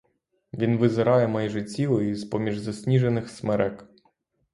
Він визирає майже цілий з-поміж засніжених смерек.